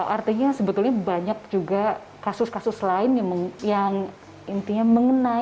artinya sebetulnya banyak juga kasus kasus lain yang intinya mengenai dari para pemerintah